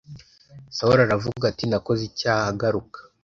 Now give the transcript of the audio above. sawuli aravuga ati nakoze icyaha garuka